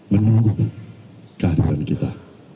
menunggu kehadiran kita